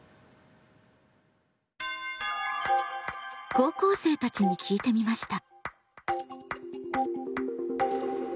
高校生たちに聞いてみました。